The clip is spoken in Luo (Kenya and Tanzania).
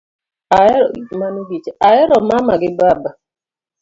Ahero mama gi baba